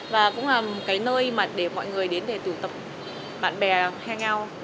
và cũng là một cái nơi mà để mọi người đến để tụ tập bạn bè hang out